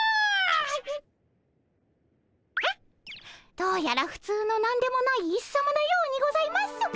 どうやら普通の何でもないイスさまのようにございます。